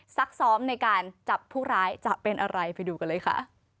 ซักซ้อมในการจับผู้ร้ายจะเป็นอะไรไปดูกันเลยค่ะ